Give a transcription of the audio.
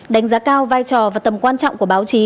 đánh giá cao vai trò và tầm quan trọng của báo chí